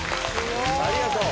ありがとう。